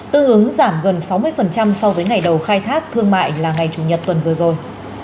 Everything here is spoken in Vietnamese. tư hướng giảm gần sáu mươi so với ngày đầu khai thác thương mại là ngày chủ nhật tuần vừa rồi